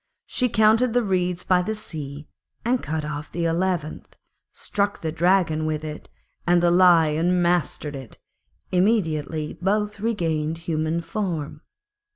She counted the reeds by the sea and cut off the eleventh, struck the Dragon with it, and the Lion mastered it; immediately both regained human form.